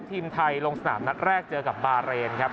ทีมไทยลงสนามนัดแรกเจอกับบาเรนครับ